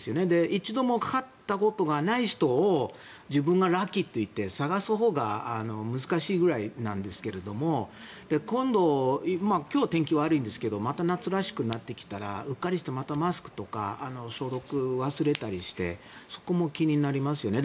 一度もかかったことがない人を自分がラッキーと言って探すほうが難しいぐらいなんですけど今度、今日は天気が悪いんですがまた夏らしくなってきたらうっかりして、またマスクとか消毒を忘れたりしてそこも気になりますよね。